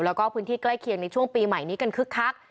แล้วก็พื้นที่ใกล้เคียงในช่วงปีใหม่นี้กันคึกคัก